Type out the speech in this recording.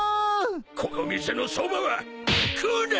この店のそばは食うな！